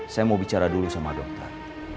saya mau bicara dulu sama dokter